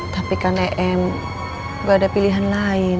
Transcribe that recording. tapi kan em gak ada pilihan lain